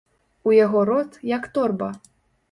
У яго рот, як торба!